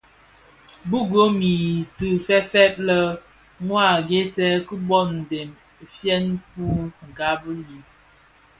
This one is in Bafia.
Bi gom yi ti feëfëg lè mua aghèsèè ki boo ndem fyeň mü gbali i.